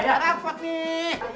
tak rapat nih